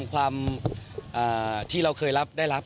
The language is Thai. ความที่เราเคยรับได้รับ